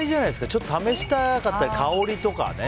ちょっと試したかったり香りとかをね。